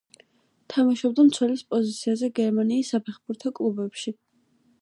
თამაშობდა მცველის პოზიციაზე გერმანიის საფეხბურთო კლუბებში.